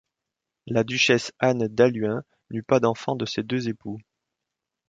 La duchesse Anne d'Halluin n'eut pas d'enfants de ses deux époux.